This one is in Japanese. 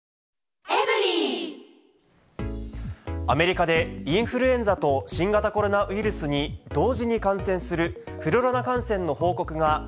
アメリカで、インフルエンザと新型コロナウイルスに同時に感染するフルロナ感